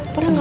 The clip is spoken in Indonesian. boleh gak bu